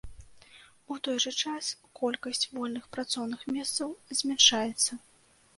У той жа час колькасць вольных працоўных месцаў змяншаецца.